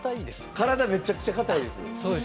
体、めちゃくちゃ硬いです。